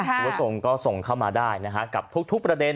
คุณผู้ชมก็ส่งเข้ามาได้นะฮะกับทุกประเด็น